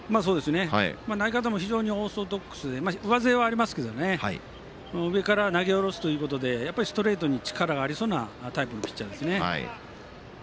投げ方もオーソドックスで上背はありますが上から投げ下ろすということでストレートに力がありそうなタイプのピッチャーですね。